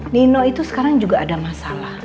nino itu sekarang juga ada masalah